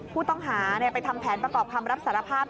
ผู้ต้องหาไปทำแผนประกอบคำรับสารภาพ